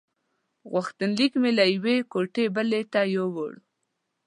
غوښتنلیک مې له یوې کوټې بلې ته یووړ.